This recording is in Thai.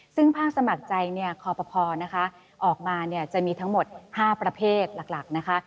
ซึ่งภาคสมัครใจคอปภนะคะออกมาเนี่ยจะมีทั้งหมด๕ประเภทหลักนะคะ